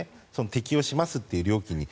適用しますという料金に。